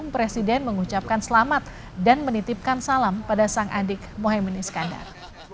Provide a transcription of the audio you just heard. presiden mengucapkan selamat dan menitipkan salam pada sang adik mohaimin iskandar